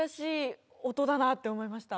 だなって思いました。